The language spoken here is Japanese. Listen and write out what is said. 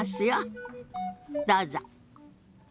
どうぞ。